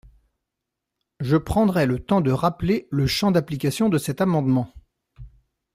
Je prendrai le temps de rappeler le champ d’application de cet amendement.